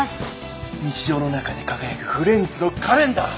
日常の中で輝くフレンズのカレンダー。